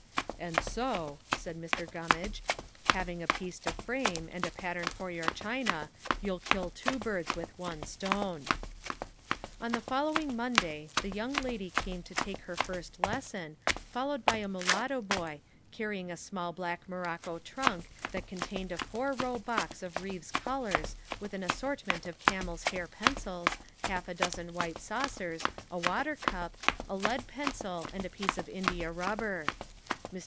"And so," said Mr. Gummage, "having a piece to frame, and a pattern for your china, you'll kill two birds with one stone." On the following Monday, the young lady came to take her first lesson, followed by a mulatto boy, carrying a little black morocco trunk, that contained a four row box of Reeves's colors, with an assortment of camel's hair pencils, half a dozen white saucers, a water cup, a lead pencil and a piece of India rubber. Mr.